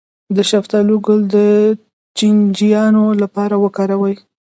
د شفتالو ګل د چینجیانو لپاره وکاروئ